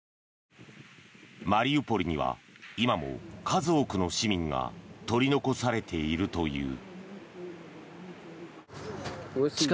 マリウポリには今も数多くの市民が取り残されているという。